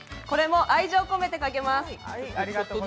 これも愛情込めてかけます。